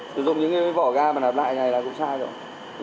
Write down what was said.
sử dụng những cái vỏ ga mà nạp lại này là cũng sai rồi